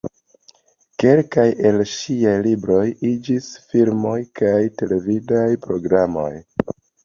Kelkaj el ŝiaj libroj iĝis filmoj kaj televidaj programoj.